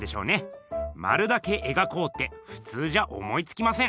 まるだけえがこうってふつうじゃ思いつきません。